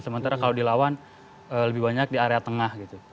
sementara kalau dilawan lebih banyak di area tengah gitu